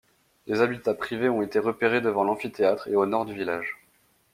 Des habitats privés ont été repérés devant l'amphithéâtre et au nord du village.